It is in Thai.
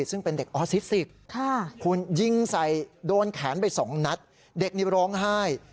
ซึ่งเป็นเด็กออซิสคุณยิงใส่โดนแขนไปสองนัดเด็กนี้ร้องไห้